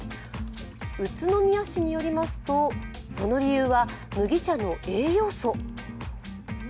宇都宮市によりますと、その理由は麦茶の栄養素。